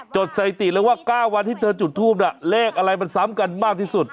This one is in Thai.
สถิติเลยว่า๙วันที่เธอจุดทูปน่ะเลขอะไรมันซ้ำกันมากที่สุด